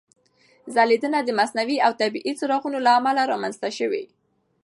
ځلېدنه د مصنوعي او طبیعي څراغونو له امله رامنځته شوې.